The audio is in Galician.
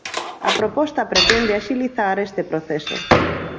A proposta pretende axilizar este proceso.